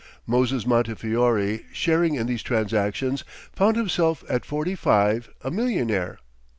Moses Montefiore, sharing in these transactions, found himself at forty five a millionaire.